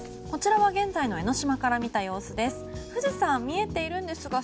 こちらは現在の江の島から見た様子です。